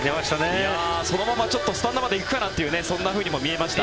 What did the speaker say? そのままスタンドまで行くかなというそんなふうにも見えました。